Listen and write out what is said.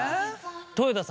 豊田さん